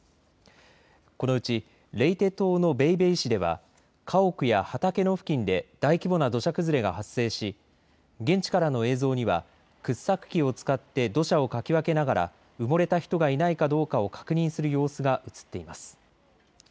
このうちレイテ島のベイベイ市では家屋や畑の付近で大規模な土砂崩れが発生し現地からの映像には掘削機を使って土砂をかき分けながら埋もれた人がいないかどうかを確認する様子が映っています。